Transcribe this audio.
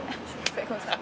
すいません。